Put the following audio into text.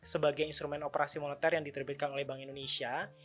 sebagai instrumen operasi moneter yang diterbitkan oleh bank indonesia